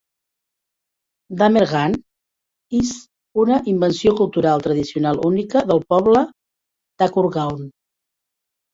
Dhamer Gaan is una invenció cultural tradicional única del poble Thakurgaon.